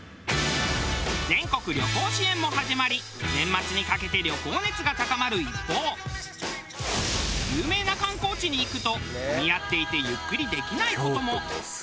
全国旅行支援も始まり年末にかけて旅行熱が高まる一方有名な観光地に行くと混み合っていてゆっくりできない事も。